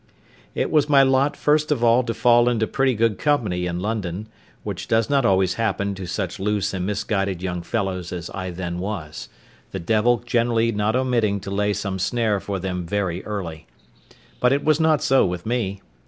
It was my lot first of all to fall into pretty good company in London, which does not always happen to such loose and misguided young fellows as I then was; the devil generally not omitting to lay some snare for them very early; but it was not so with me.